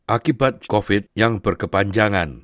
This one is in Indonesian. akibat covid yang berkepanjangan